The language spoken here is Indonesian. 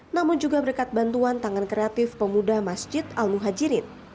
namun juga berkat bantuan tangan kreatif pemuda masjid al muhajirin